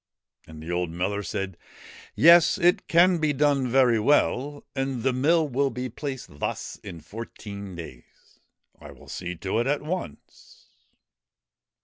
And the old miller said :' Yes, it can be done very well, and the mill will be placed thus in fourteen days. I will see to it at once.'